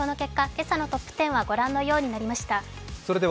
今朝のトップ１０はご覧のようになりました。